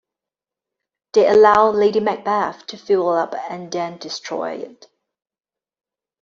They allow "Lady Macbeth" to fuel up and then destroy it.